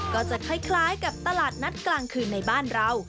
ก็จะคล้ายกับตลาดนัดกลางคืนในบ้านเรา